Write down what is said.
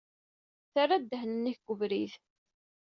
Ttarra ddehn-nnek deg webrid.